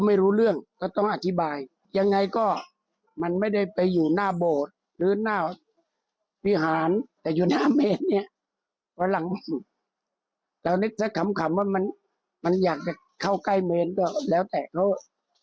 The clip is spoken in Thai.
แต่อันนี้สักขำว่ามันอยากจะเข้าใกล้เมนก็แล้วแต่เขา